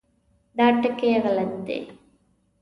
دا ټکي غلط دي.